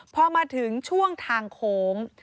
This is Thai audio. พอมาถึงช่วงทางโค้ง